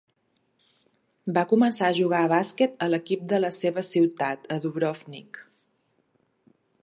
Va començar a jugar a bàsquet a l'equip de la seva ciutat, a Dubrovnik.